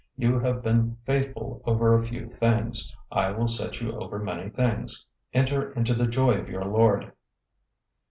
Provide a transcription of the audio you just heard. You have been faithful over a few things, I will set you over many things. Enter into the joy of your lord.'